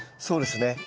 そうですね。